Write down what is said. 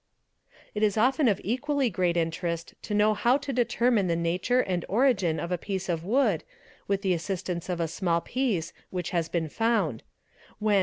It is often of equally great interest to know how to determine the nature and origin of a piece of wood with the assistance of a small piece which has been found; when, ¢.